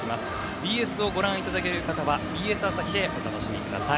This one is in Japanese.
ＢＳをご覧いただける方はＢＳ朝日でお楽しみください。